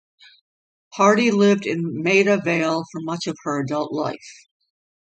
Hardy lived in Maida Vale for much of her adult life.